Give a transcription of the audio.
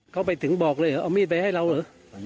เขาไปถึงบอกเลยเหรอเอามีดไปให้เราเหรอ